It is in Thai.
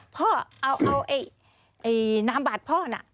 พ่อเอาน้ำบาดพ่อน่ะ